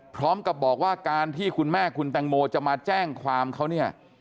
พร้อมกับบอกว่าการที่คุณแม่คุณแตงโมจะมาแจ้งความเขาเนี่ย